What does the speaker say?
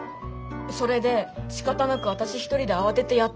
それでしかたなく私一人で慌ててやってたら。